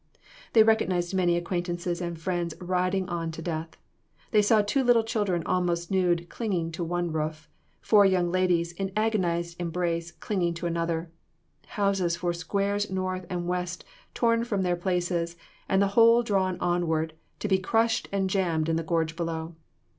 They recognized many acquaintances and friends riding on to death. They saw two little children, almost nude, clinging to one roof; four young ladies, in agonized embrace, clinging to another; houses for squares north and west torn from their places, and the whole drawn onward, to be crushed and jammed in the gorge below.